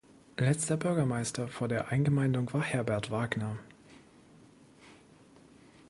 Letzter Bürgermeister vor der Eingemeindung war Herbert Wagner.